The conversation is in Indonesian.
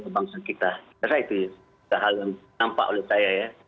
pertama itu hal yang nampak oleh saya ya